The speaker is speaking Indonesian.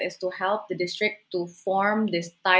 adalah membantu distrik untuk membentuk